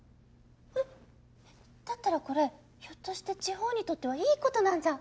えっだったらこれひょっとして地方にとってはいいことなんじゃ。